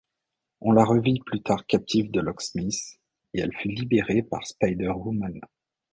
On la revit plus tard captive de Locksmith, et elle fut libérée par Spider-Woman.